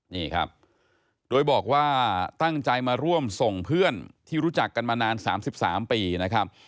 นี่ครับโดยบอกว่าตั้งใจมาร่วมส่งเพื่อนที่รู้จักกันมานาน๓๓ปีนะครับ